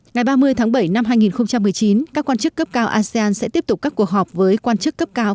ngày ba mươi tháng bảy năm hai nghìn một mươi chín các quan chức cấp cao asean sẽ tiếp tục các cuộc họp với quan chức cấp cao